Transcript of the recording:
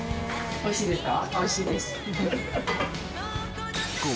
おいしいですか？